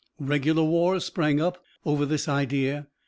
Regular wars sprang up over this idea.